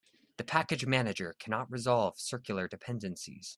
The package manager cannot resolve circular dependencies.